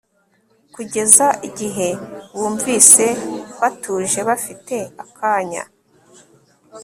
kugeza igihe bumvise batuje bafite akanya